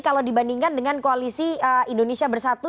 kalau dibandingkan dengan koalisi indonesia bersatu